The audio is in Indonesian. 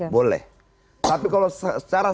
boleh tapi kalau secara